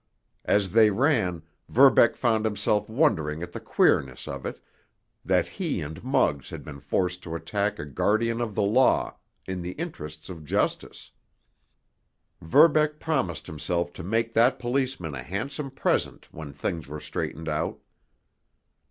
As they ran, Verbeck found himself wondering at the queerness of it—that he and Muggs had been forced to attack a guardian of the law in the interests of justice. Verbeck promised himself to make that policeman a handsome present when things were straightened out.